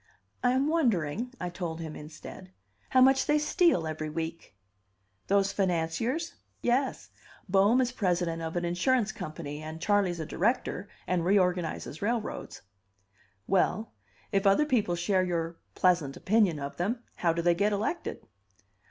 "I am wondering," I told him instead, "how much they steal every week." "Those financiers?" "Yes. Bohm is president of an insurance company, and Charley's a director, and reorganizes railroads." "Well, if other people share your pleasant opinion of them, how do they get elected?"